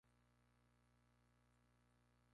Su amistad desembocará en un retorcido final.